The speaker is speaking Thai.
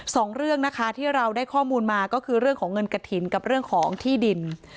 สองเรื่องนะคะที่เราได้ข้อมูลมาก็คือเรื่องของเงินกระถิ่นกับเรื่องของที่ดิน